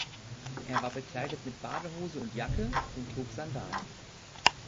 Er war bekleidet mit Badehose und Jacke und trug Sandalen.